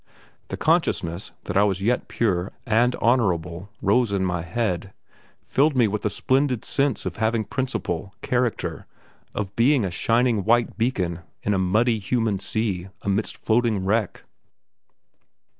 The consciousness that I was yet pure and honourable rose to my head, filled me with a splendid sense of having principle, character, of being a shining white beacon in a muddy, human sea amidst floating wreck.